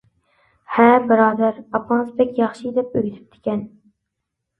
ھە بۇرادەر، ئاپىڭىز بەك ياخشى دەپ ئۆگىتىپتىكەن.